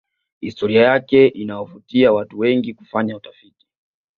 historia yake inawavutia watu wengi kufanya utafiti